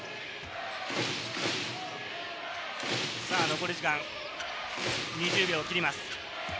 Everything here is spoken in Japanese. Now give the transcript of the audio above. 残り時間２０秒を切ります。